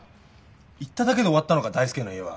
行っただけで終わったのか大介の家は。